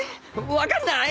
分かんない！？